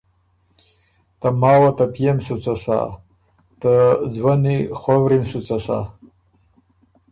ته ماوه ته پئے م سُو څۀ سَۀ۔ ته ځوَني خؤوری م سُو څۀ سَۀ۔